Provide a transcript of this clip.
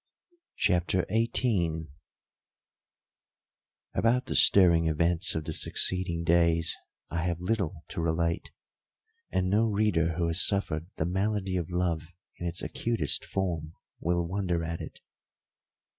CHAPTER XVIII About the stirring events of the succeeding days I have little to relate, and no reader who has suffered the malady of love in its acutest form will wonder at it.